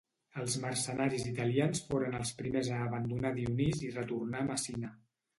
Els mercenaris italians foren els primers a abandonar Dionís i retornar a Messina.